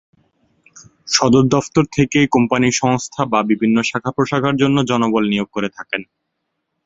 সদর দফতর থেকেই কোম্পানী সংস্থা বা বিভিন্ন শাখা-প্রশাখার জন্য জনবল নিয়োগ করে থাকেন।